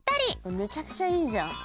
めちゃくちゃいいじゃん。